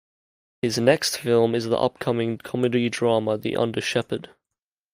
His next film is the upcoming comedy-drama "The Under Shepherd".